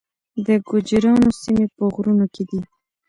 د ګوجرانو سیمې په غرونو کې دي